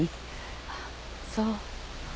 あっそう。